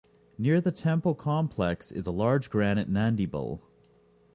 Near the temple complex is a large granite Nandi bull.